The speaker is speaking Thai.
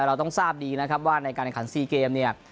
เราต้องทราบดีนะครับว่าในการแข่งขัน๔เกมเนี่ย